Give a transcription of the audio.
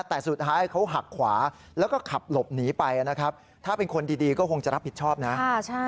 แต่สุดท้ายเขาหักขวาแล้วก็ขับหลบหนีไปนะครับถ้าเป็นคนดีก็คงจะรับผิดชอบนะ